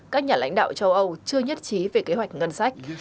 các nhà lãnh đạo châu âu chưa nhất trí về kế hoạch ngân sách